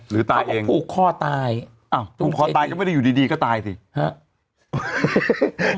หรือตายเองภูกคอตายอ่ะภูกคอตายก็ไม่ได้อยู่ดีดีก็ตายสิฮะ